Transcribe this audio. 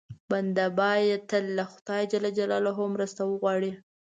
بنده باید تل له خدای ج مرسته وغواړي.